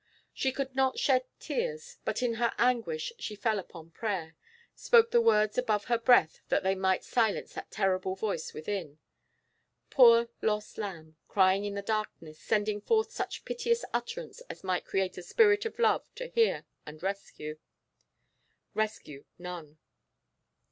She could not shed tears, but in her anguish she fell upon prayer, spoke the words above her breath that they might silence that terrible voice within. Poor lost lamb, crying in the darkness, sending forth such piteous utterance as might create a spirit of love to hear and rescue. Rescue none.